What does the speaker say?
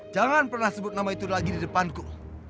jangan pernah sebut nama itu lagi di depanku